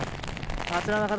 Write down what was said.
あちらの方